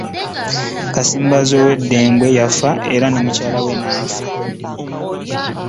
Kasimbazi gw'omanyi ow'e Ddambwe yafa, era ne mukyala we n'afa.